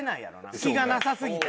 隙がなさすぎて。